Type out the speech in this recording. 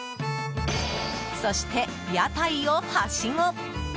そして、屋台をはしご！